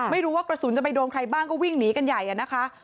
ไม่รู้ว่ากระสุนจะไปโดนใครบ้างก็วิ่งหนีกันใหญ่นะคะ